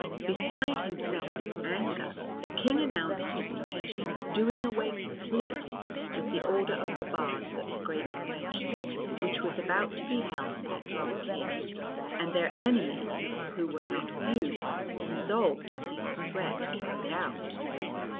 Beside himself with anger, the King announced his intention of doing away completely with the order of the Bards at the great Convention which was about to be held at Drum ceatt, and their enemies, who were not few, resolved to see the threat carried out.